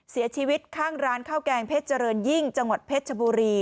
เสียชีวิตข้างร้านข้าวแกงเพชรเจริญยิ่งจังหวัดเพชรชบุรี